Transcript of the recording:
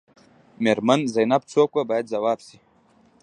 میرمن زینب څوک وه باید ځواب شي.